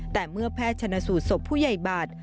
แต่เมื่อแพทย์ชนะสูตรศพผู้ใหญ่บัตร